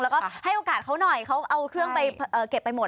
แล้วก็ให้โอกาสเขาหน่อยเขาเอาเครื่องไปเก็บไปหมด